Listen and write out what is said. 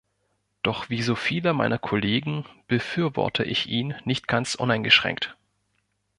Doch wie so viele meiner Kollegen befürworte ich ihn nicht ganz uneingeschränkt.